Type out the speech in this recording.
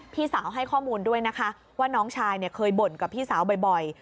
พี่สาวให้ข้อมูลด้วยนะคะว่าน้องชายเคยบ่นกับพี่สาวบ่อย